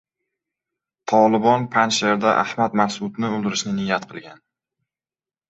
Tolibon Panjshirda Ahmad Masudni o‘ldirishni niyat qilgan